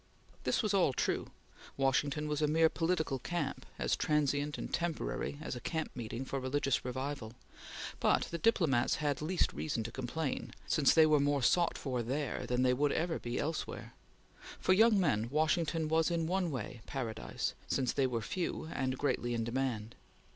This was all true; Washington was a mere political camp, as transient and temporary as a camp meeting for religious revival, but the diplomats had least reason to complain, since they were more sought for there than they would ever be elsewhere. For young men Washington was in one way paradise, since they were few, and greatly in demand.